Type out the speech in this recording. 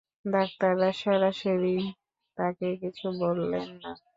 ডাক্তাররা সরাসরি তাঁকে কিছু বলেন না।